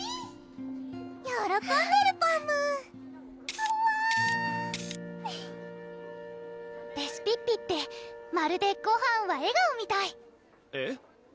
よろこんでるパムはわレシピッピってまるで「ごはんは笑顔」みたいえっ？